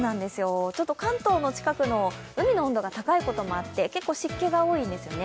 関東の近くの海の温度が高いこともあって結構、湿気が多いんですね。